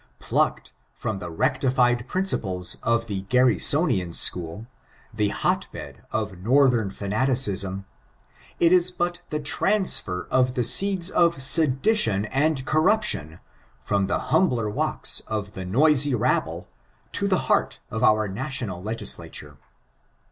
Plucked from the " rectified " principles of the Garriso ' i^^^«^^^^ OK AB0LITI0NI8H. 611 I nian school, the hot bed of Northern fanaticism, it is but the transfer of the seeds of sedition and cormption from the humbler walks of the noisy rabble to the heart of our national legislature.